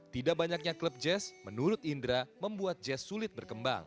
tidak banyaknya klub jazz menurut indra membuat jazz sulit berkembang